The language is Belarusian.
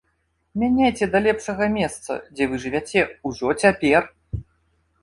Мяняйце да лепшага месца, дзе вы жывяце, ужо цяпер!